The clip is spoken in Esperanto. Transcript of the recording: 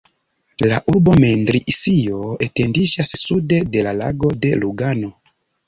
La urbo mendrisio etendiĝas sude de la Lago de Lugano.